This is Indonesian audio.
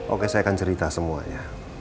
oke saya akan cerita semuanya